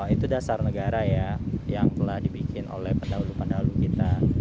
itu dasar negara ya yang telah dibikin oleh pendahulu pendahulu kita